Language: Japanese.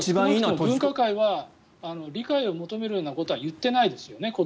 分科会は理解を求めるようなことは言っていないですよね。